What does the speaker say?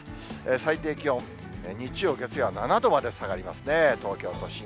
最低気温、日曜、月曜は７度まで下がりますね、東京都心。